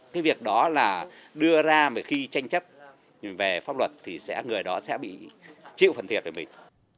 cái việc đó là đưa ra mà khi tranh chấp về pháp luật thì sẽ người đó sẽ bị chịu phần thiệt về mình